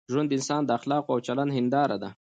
ژوند د انسان د اخلاقو او چلند هنداره ده.